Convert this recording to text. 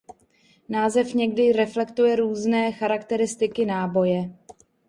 Název někdy reflektuje různé charakteristiky náboje.